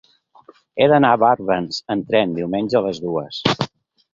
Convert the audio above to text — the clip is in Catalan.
He d'anar a Barbens amb tren diumenge a les dues.